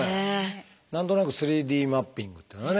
何となく３Ｄマッピングっていうのはね